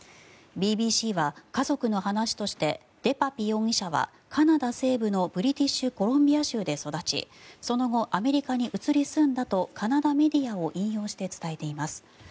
ＢＢＣは家族の話としてデパピ容疑者はカナダ西部のブリティッシュコロンビア州で育ちその後、アメリカに移り住んだとカナダメディアを引用して伝えています。